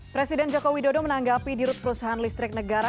presiden joko widodo menanggapi dirut perusahaan listrik negara